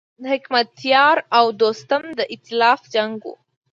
د حکمتیار او دوستم د ایتلاف جنګ و.